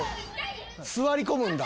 座り込むんだ。